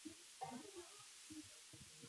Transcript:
科贝特曾是一名纽约的装甲骑送兵。